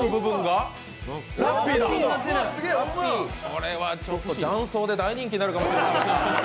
これはちょっと雀荘で大人気になるかもしれない。